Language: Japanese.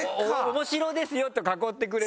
「面白ですよ」と囲ってくれれば。